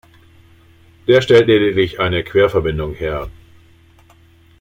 Der stellt lediglich eine Querverbindung her.